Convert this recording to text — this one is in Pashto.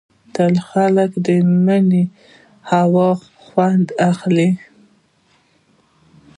تله کې خلک د مني هوا خوند اخلي.